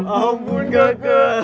ampun gak ke